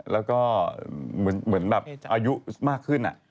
แล้วก็เหมือนแบบอายุมากขึ้น